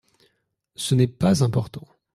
Ce n’est pas important.